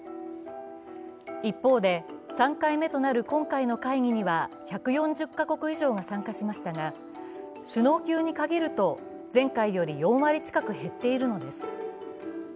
一方で３回目となる今回の会議には１４０か国以上が参加しましたが首脳級に限ると前回より４割近く減っているのです。